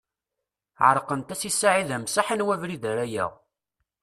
Ɛerqent-as i Saɛid Amsaḥ anwa abrid ara yaɣ.